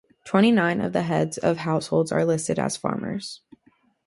Twenty-nine of the heads of households are listed as farmers.